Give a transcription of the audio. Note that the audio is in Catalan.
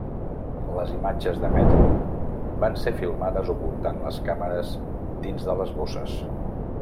Les imatges de metro van ser filmades ocultant les càmeres dins de les bosses.